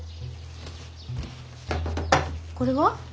これは？